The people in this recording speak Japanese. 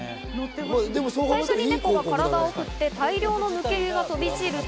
最初にネコが体を振って、大量の抜け毛が飛び散ると。